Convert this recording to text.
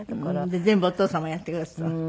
で全部お父様がやってくだすった。